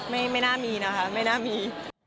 ไม่น่ามีนะคะไม่น่ามี